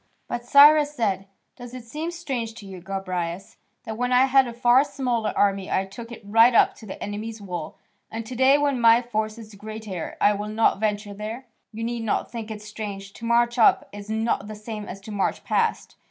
But Cyrus said: "Does it seem strange to you, Gobryas, that when I had a far smaller army I took it right up to the enemy's walls, and to day when my force is greater I will not venture there? You need not think it strange: to march up is not the same as to march past.